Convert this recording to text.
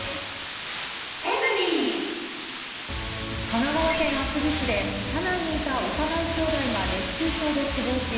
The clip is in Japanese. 神奈川県厚木市で、車内にいた幼いきょうだいが熱中症で死亡し、